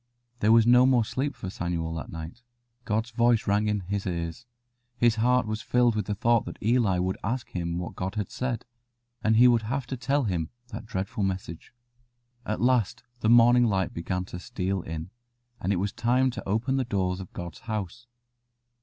There was no more sleep for Samuel that night. God's voice rang in his ears; his heart was filled with the thought that Eli would ask him what God had said, and he would have to tell him that dreadful message. At last the morning light began to steal in, and it was time to open the doors of God's house.